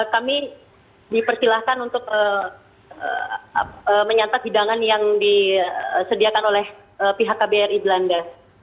kami dipersilahkan untuk menyantap hidangan yang disediakan oleh pihak kbri belanda